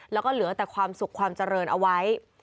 แล้วก็เหลือแต่ความสุขความเจริญเอาไว้